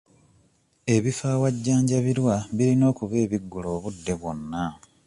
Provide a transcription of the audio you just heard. Ebifo awajjanjabirwa birina okuba ebiggule obudde bwonna.